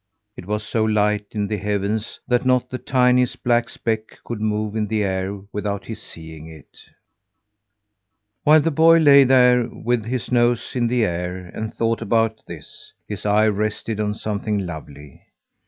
It was so light in the heavens that not the tiniest black speck could move in the air without his seeing it. While the boy lay there with his nose in the air and thought about this, his eye rested on something lovely!